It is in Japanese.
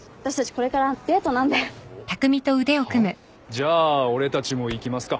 じゃあ俺たちも行きますか。